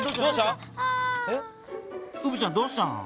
うぶちゃんどうしたの？